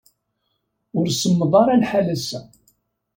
Ur semmeḍ ara lḥal ass-a.